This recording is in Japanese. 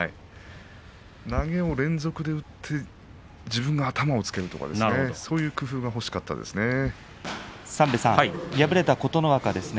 投げを連続で打って自分が頭をつけるとかそういう工夫が欲しかったですね。